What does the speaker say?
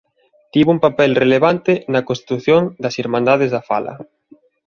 Tivo un papel relevante na constitución das Irmandades da Fala.